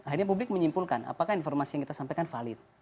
akhirnya publik menyimpulkan apakah informasi yang kita sampaikan valid